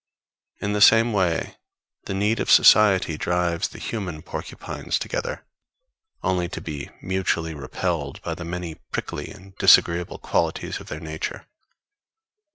In the same way the need of society drives the human porcupines together, only to be mutually repelled by the many prickly and disagreeable qualities of their nature.